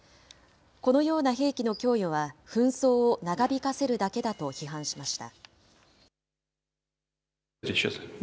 このような兵器の供与は紛争を長引かせるだけだと批判しました。